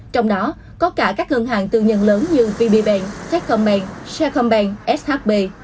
trong đó có cả các ngân hàng tư nhân lớn như bb bank techcom bank sharecom bank shb